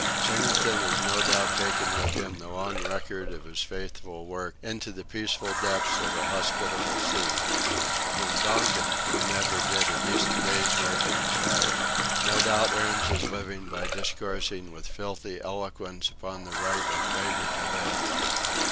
Singleton has no doubt taken with him the long record of his faithful work into the peaceful depths of an hospitable sea. And Donkin, who never did a decent day's work in his life, no doubt earns his living by discoursing with filthy eloquence upon the right of labour to live.